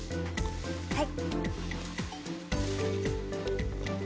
はい。